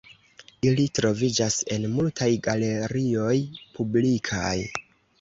Ili troviĝas en multaj galerioj publikaj.